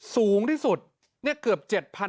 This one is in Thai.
สูงที่สุดเนี่ยเกือบ๗๐๐